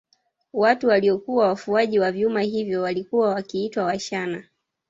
Watu waliokuwa wafuaji wa vyuma hivyo walikuwa wakiitwa Washana